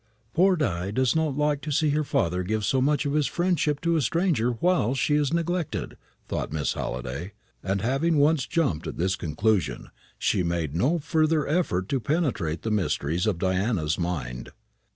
"Poor Di does not like to see her father give so much of his friendship to a stranger while she is neglected," thought Miss Halliday; and having once jumped at this conclusion, she made no further effort to penetrate the mysteries of Diana's mind.